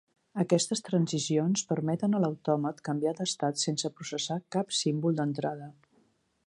Aquestes transicions permeten a l'autòmat canviar d'estat sense processar cap símbol d'entrada.